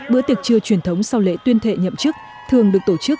bữa tiệc trưa truyền thống sau lễ tuyên thệ nhậm chức thường được tổ chức